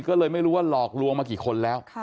ก็เลยไม่รู้ว่าหลอกลวงมากี่คนแล้ว